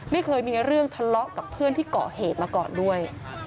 ไม่เคยมีเรื่องทะเลาะกับเพื่อนที่เกาะเหตุมาก่อนด้วย